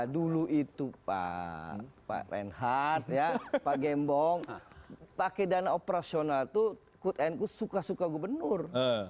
dulu itu pak reinhardt pak gembong pakai dana operasional itu quote and quo suka suka gubernur